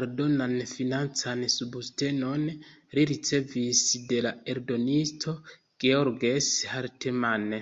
Aldonan financan subtenon li ricevis de la eldonisto "Georges Hartmann".